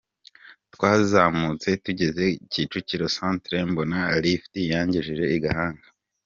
Twazamutse tugeze Kicukiro Centre mbona lift yangejeje i Gahanga.